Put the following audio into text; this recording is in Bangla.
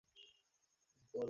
জমিজমা বিষয়ক আইন?